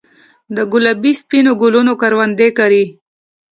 دګلابي ، سپینو ګلونو کروندې کرې